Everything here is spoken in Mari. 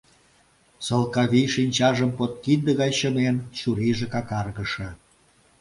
Сылкавий шинчажым подкинде гай чымен, чурийже какаргыше.